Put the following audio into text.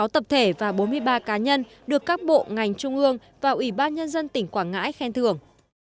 sáu tập thể và bốn mươi ba cá nhân được các bộ ngành trung ương và ủy ban nhân dân tỉnh quảng ngãi khen thưởng